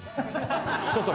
そうそう。